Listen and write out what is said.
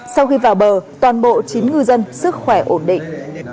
sau khi vào bờ toàn bộ chín ngư dân sức khỏe ổn định